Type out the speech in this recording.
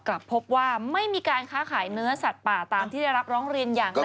กลับพบว่าไม่มีการค้าขายเนื้อสัตว์ป่าตามที่ได้รับร้องเรียนอย่างไร